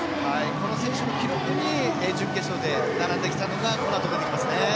この選手の記録に準決勝で並んできたのがこのあと出てきますね。